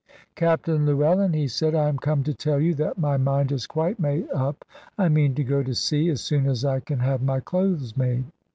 "Captain Llewellyn," he said; "I am come to tell you that my mind is quite made up. I mean to go to sea as soon as I can have my clothes made."